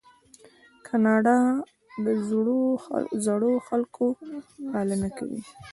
کاناډا د زړو خلکو پالنه کوي.